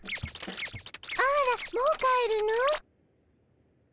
あらもう帰るの？